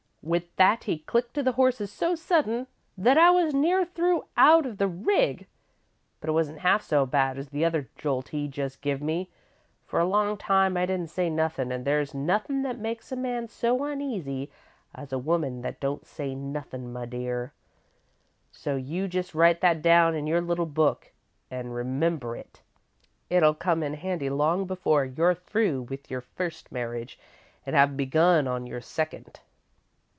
"With that he clicked to the horses so sudden that I was near threw out of the rig, but it wasn't half so bad as the other jolt he'd just give me. For a long time I didn't say nothin', an' there's nothin' that makes a man so uneasy as a woman that don't say nothin', my dear, so you just write that down in your little book, an' remember it. It'll come in handy long before you're through with your first marriage an' have begun on your second.